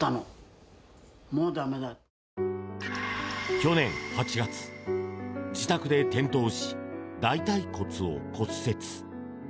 去年８月自宅で転倒し大腿骨を骨折。